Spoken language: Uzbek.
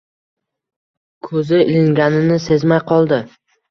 koʼzi ilinganini sezmay qoldi.